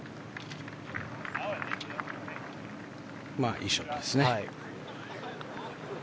いいショットですね。